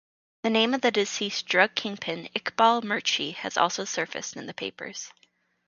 The name of deceased drug kingpin Iqbal Mirchi has also surfaced in the papers.